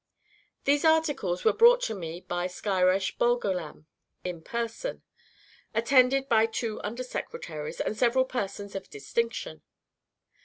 These articles were brought to me by Skyresh Bolgolam in person, attended by two under secretaries, and several persons of distinction.